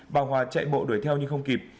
bà hòa chạy bộ đuổi theo nhưng không kịp